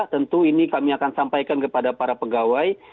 tentu ini kami akan sampaikan kepada para pegawai